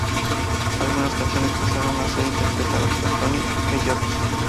Algunas canciones pasaron a ser interpretadas por Tony Bellotto.